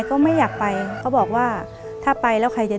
เปลี่ยนเพลงเพลงเก่งของคุณและข้ามผิดได้๑คำ